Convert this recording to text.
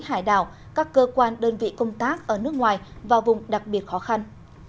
hải đảo các cơ quan đơn vị công tác ở nước ngoài vào vùng đặc biệt khó khăn